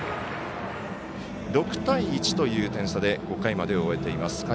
６対１という点差で５回まで終えています。